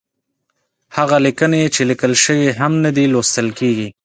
هغه ليکنې چې ليکل شوې هم نه دي، لوستل کېږي.